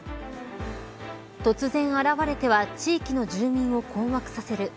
突然現れては地域の住民を困惑させる。